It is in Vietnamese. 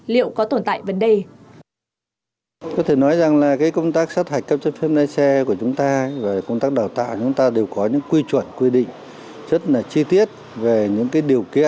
liệu có tồn tại vấn đề